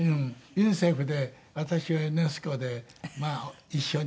ユニセフで私はユネスコでまあ一緒に。